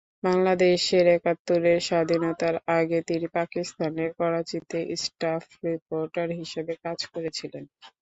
বাংলাদেশের একাত্তরের স্বাধীনতার আগে তিনি পাকিস্তানের করাচিতে স্টাফ রিপোর্টার হিসাবে কাজ করেছিলেন।